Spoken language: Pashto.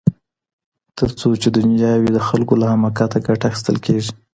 تر څو چي دنیا وي د خلګو له حماقته ګټه اخیستل کیږي.